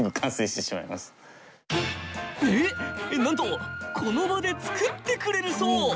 なんとこの場で作ってくれるそう！